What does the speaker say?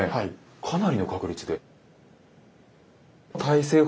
かなりの確率で。